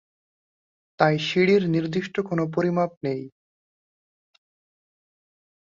তাই সিঁড়ির নির্দিষ্ট কোন পরিমাপ নেই।